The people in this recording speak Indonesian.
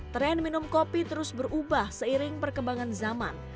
tren minum kopi terus berubah seiring perkembangan zaman